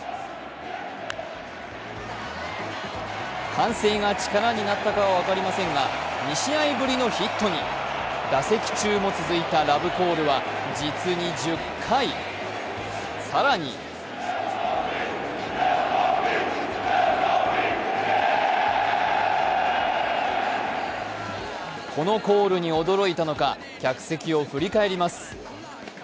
歓声が力になったかは分かりませんが２試合ぶりのヒットに打席中も続いたラブコールは実に１０回、更にこのコールに驚いたのか客席を振り返ります。